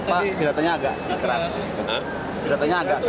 pak pidatanya agak ikhlas